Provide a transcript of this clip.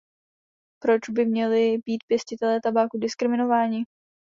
Proč by měli být pěstitelé tabáku diskriminováni?